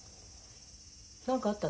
何かあったの？